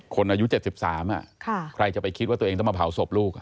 อายุ๗๓ใครจะไปคิดว่าตัวเองต้องมาเผาศพลูก